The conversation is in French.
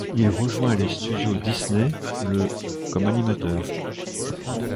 Il rejoint les studios Disney le comme animateur.